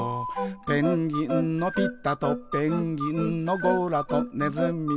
「ペンギンのピタとペンギンのゴラとねずみのスーと」